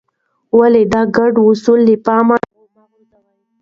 ولې د ګډو اصولو له پامه مه غورځوې؟